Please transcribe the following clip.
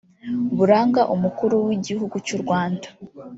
buranga umukuru w’igihugu cy’uRwanda